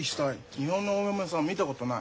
日本のお嫁さん見たことない。